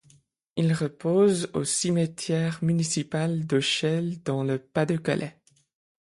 Il repose au cimetière municipal d'Auchel dans le Pas-de-Calais.